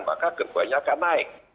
maka kekuatannya akan naik